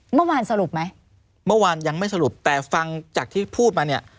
เมื่อวานสรุปไหมเมื่อวานยังไม่สรุปแต่ฟังจากที่พูดมาเนี่ย